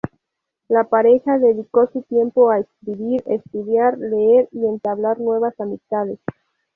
La pareja dedicó su tiempo a escribir, estudiar, leer y entablar nuevas amistades.